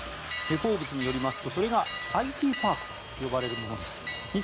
「フォーブス」によりますとそれがＩＴパークと呼ばれるものです。